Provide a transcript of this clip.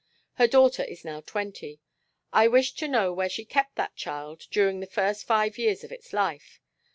Her daughter is now twenty. I wish to know where she kept that child during the first five years of its life.